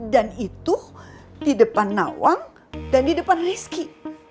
dan itu di depan nawang dan di depan rizky